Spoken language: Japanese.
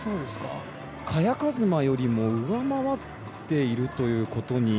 萱和磨よりも上回っているということに。